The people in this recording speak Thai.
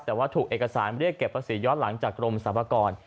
แต่ว่าถูกเอกสารเรียกเก็บภาษีย้อนหลังจากกรมสรรพากร